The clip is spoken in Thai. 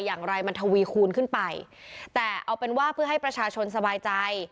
อย่างไรมันทวีคูณขึ้นไปแต่เอาเป็นว่าเพื่อให้ประชาชนสบายใจ